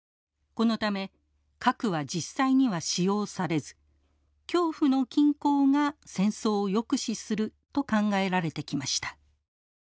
このため核は実際には使用されず恐怖の均衡が戦争を抑止すると考えられてきました。